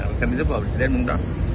karena itu pak presiden mengundang